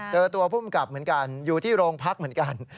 เจอตัวภูมิกับเหมือนกันอยู่ที่โรงพักเหมือนกัน